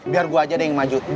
biar gue aja deh yang maju